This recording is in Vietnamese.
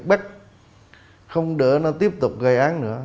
bách không để nó tiếp tục gây án nữa